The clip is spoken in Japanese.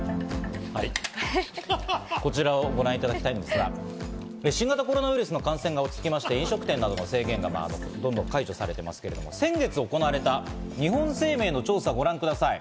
こちらをご覧いただきたいんですが、新型コロナウイルスの感染が落ち着きまして、飲食店などの制限が緩和されていますけれども先月行われた日本生命の調査をご覧ください。